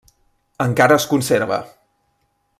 Encara es conserva.